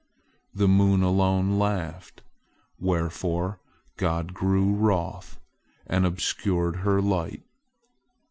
The moon alone laughed, wherefore God grew wroth, and obscured her light.